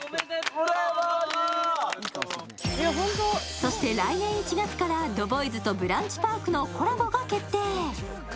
そして来年１月からＴＨＥＢＯＹＳとブランチパークのコラボが決定。